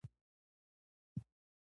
کله چې پخه شي نو دیګ په بل مخ واړوي.